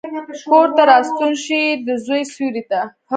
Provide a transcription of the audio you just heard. کورته راستون شي، دزوی سیورې ته،